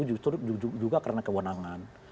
justru juga karena kewenangan